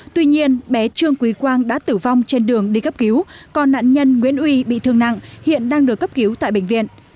tuy nhiên bé trương quý quang đã tử vong trên đường đi cấp cứu còn nạn nhân nguyễn uy bị thương nặng hiện đang được cấp cứu tại bệnh viện